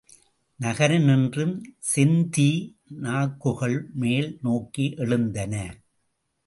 நகரினின்றும் செந்தீ நாக்குகள் மேல் நோக்கி எழுந்தன.